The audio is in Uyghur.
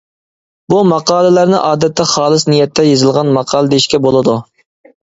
بۇ ماقالىلەرنى ئادەتتە خالىس نىيەتتە يېزىلغان ماقالە دېيىشكە بولىدۇ.